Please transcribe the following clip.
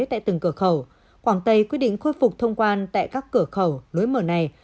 tại từng cửa khẩu quảng tây quyết định khôi phục thông quan tại các cửa khẩu lối mở này